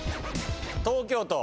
東京都。